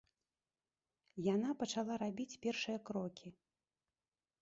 Яна пачала рабіць першыя крокі.